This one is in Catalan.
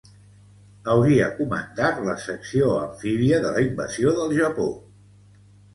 Hauria comandat la secció amfíbia de la invasió del Japó.